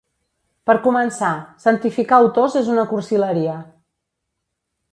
Per començar: santificar autors és una cursileria.